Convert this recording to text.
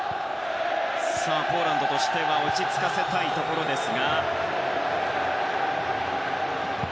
ポーランドとしては落ち着かせたいところです。